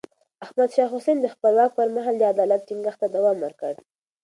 احمد شاه حسين د خپل واک پر مهال د عدالت ټينګښت ته دوام ورکړ.